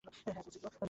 হ্যাঁ, করছি তো।